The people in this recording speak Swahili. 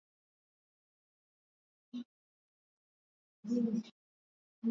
umbali wa kilometa elfu moja mia tano kutoka Dar es Salaam